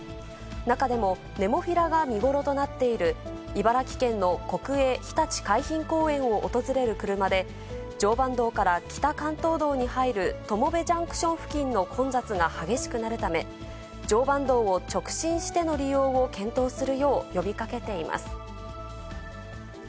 中でも、ネモフィラが見頃となっている茨城県の国営ひたち海浜公園を訪れる車で、常磐道から北関東道に入る友部ジャンクション付近の混雑が激しくなるため、常磐道を直進しての利用を検討するよう呼びかけています。